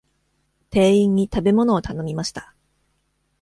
店員に食べ物を頼みました。